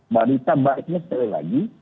mereka baiknya sekali lagi